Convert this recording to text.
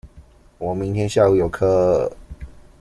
我明天下午有課